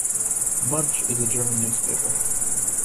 Munch in a German newspaper.